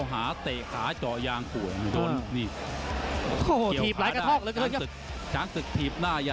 หัวใจหัวใจเป็นหลัก